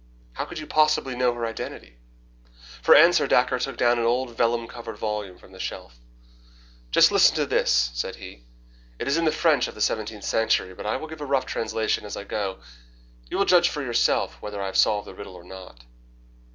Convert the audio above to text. "How could you possibly know her identity?" For answer Dacre took down an old vellum covered volume from the shelf. "Just listen to this," said he; "it is in the French of the seventeenth century, but I will give a rough translation as I go. You will judge for yourself whether I have solved the riddle or not.